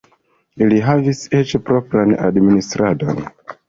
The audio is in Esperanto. Ili havis eĉ propran administradon.